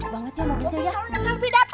bagus banget ya mobilnya ya